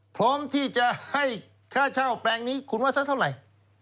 พร้อมที่จะให้ค่าเช่าแปลงนี้คุณว่าสักเท่าไหร่